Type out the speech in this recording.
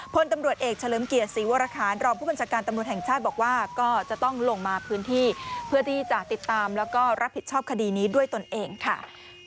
พลตำรวจเอกเฉลิมเกียรติศรีวรคารรองผู้บัญชาการตำรวจแห่งชาติบอกว่าก็จะต้องลงมาพื้นที่เพื่อที่จะติดตามแล้วก็รับผิดชอบคดีนี้ด้วยตนเองค่ะ